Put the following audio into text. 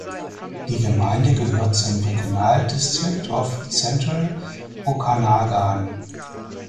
Die Gemeinde gehört zum Regional District of Central Okanagan.